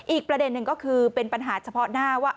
อีกประเด็นหนึ่งก็คือเป็นปัญหาเฉพาะหน้าว่า